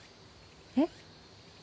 えっ？